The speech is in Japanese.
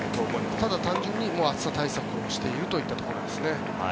ただ、単純に暑さ対策をしているというところです。